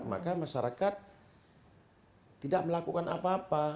maka masyarakat tidak melakukan apa apa